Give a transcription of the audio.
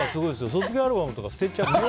卒業アルバムとか捨てちゃう。